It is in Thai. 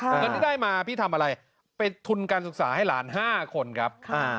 เงินที่ได้มาพี่ทำอะไรเป็นทุนการศึกษาให้หลาน๕คนครับ